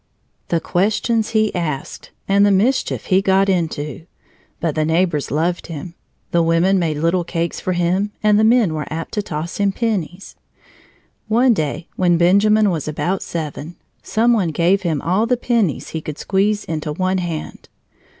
The questions he asked and the mischief he got into! But the neighbors loved him. The women made little cakes for him, and the men were apt to toss him pennies. One day when Benjamin was about seven, some one gave him all the pennies he could squeeze into one hand.